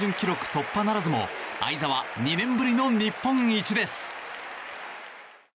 突破ならずも相澤、２年ぶりの日本一です。